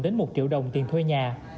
đến một triệu đồng tiền thuê nhà